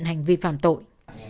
hành vi phạm tội